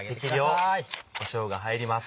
適量こしょうが入ります。